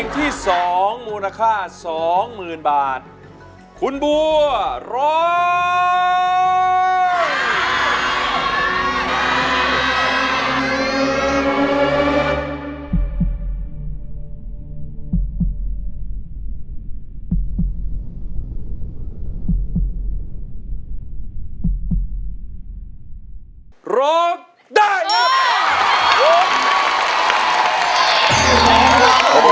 โทษใจโทษใจโทษใจโทษใจ